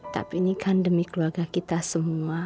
tapi ini kan demi keluarga kita semua